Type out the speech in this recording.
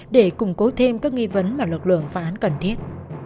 để củng cố thêm các nghi vấn mà lực lượng phá án cần thiết